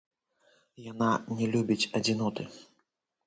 Яна не любіць адзіноты.